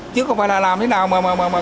chứ không phải là làm thế nào mà